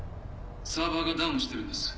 サーバーがダウンしてるんです